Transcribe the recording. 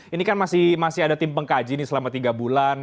ini kan masih ada tim pengkaji nih selama tiga bulan